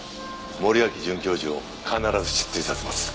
森脇准教授を必ず失墜させます。